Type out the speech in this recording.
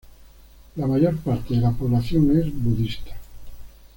La mayor parte de la población es budista.